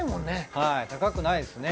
はい高くないですね。